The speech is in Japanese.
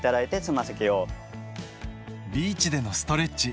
ビーチでのストレッチ。